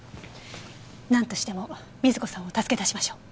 なんとしても瑞子さんを助け出しましょう。